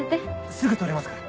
すぐ取れますから。